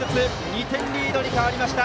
２点リードに変わりました。